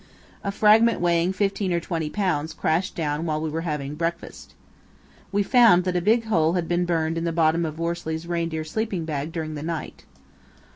A fragment weighing fifteen or twenty pounds crashed down while we were having breakfast. We found that a big hole had been burned in the bottom of Worsley's reindeer sleeping bag during the night.